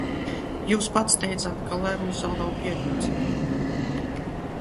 Jūs pats teicāt, ka lēmums vēl nav pieņemts.